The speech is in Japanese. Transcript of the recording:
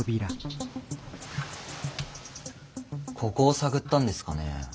ここを探ったんですかね。